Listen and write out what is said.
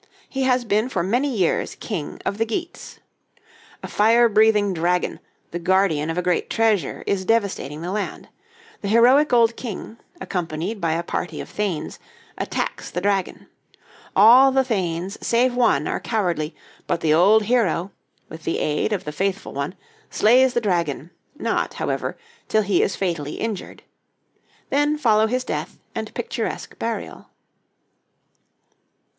He has been for many years king of the Geats. A fire breathing dragon, the guardian of a great treasure, is devastating the land. The heroic old king, accompanied by a party of thanes, attacks the dragon. All the thanes save one are cowardly; but the old hero, with the aid of the faithful one, slays the dragon, not, however, till he is fatally injured. Then follow his death and picturesque burial.